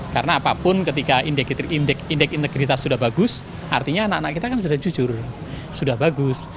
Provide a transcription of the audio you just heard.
karena apapun ketika indeks integritas sudah bagus artinya anak anak kita kan sudah jujur sudah bagus